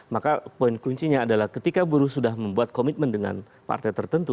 maka poin kuncinya adalah ketika buruh sudah membuat komitmen dengan partai tertentu